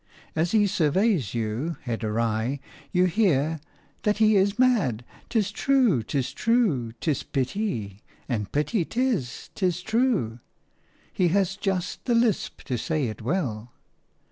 As he surveys you, head awry, you hear – "That he is mad, 'tis true; 'tis true, 'tis pity: and pity 'tis, 'tis true." He has just the lisp to say it well.